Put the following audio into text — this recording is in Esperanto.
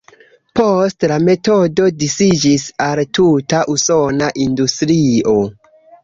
Poste, la metodo disiĝis al tuta usona industrio.